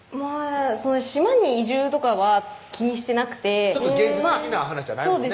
島に移住とかは気にしてなくて現実的な話じゃないもんね